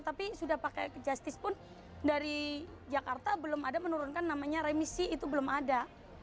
tapi sudah pakai justice pun dari jakarta belum ada menurunkan namanya remisi itu belum ada